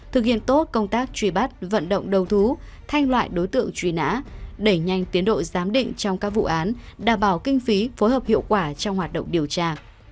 thực hiện tốt công tác truy bắt vận động đầu thú thanh loại đối tượng truy nã đẩy nhanh tiến độ giám định trong các vụ án đảm bảo kinh phí phối hợp hiệu quả trong hoạt động điều tra